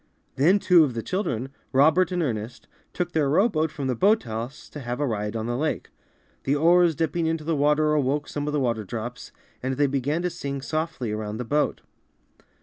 Then two of the children, Robert and Ernest, took their rowboat from the boathouse to have a ride on the lake. The oars dipping into the water awoke some of the water drops, and they began to sing soMy around the boat.